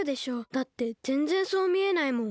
だってぜんぜんそうみえないもん。